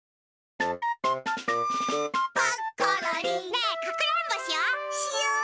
ねえかくれんぼしよう。